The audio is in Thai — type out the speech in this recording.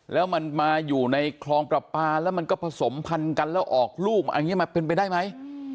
แล้วมันมาอยู่ในคลองประปาแล้วมันก็ผสมพันธุ์กันแล้วออกลูกอันนี้มันเป็นไปได้ไหม